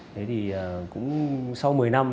thế thì cũng sau một mươi năm